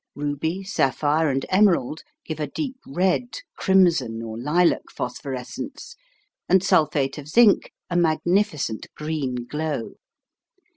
Ruby, sapphire, and emerald give a deep red, crimson, or lilac phosphorescence, and sulphate of zinc a magnificent green glow.